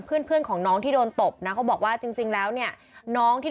เพื่อนเพื่อนของน้องที่โดนตบนะเขาบอกว่าจริงแล้วเนี่ยน้องที่